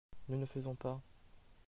Nous ne faisons pas.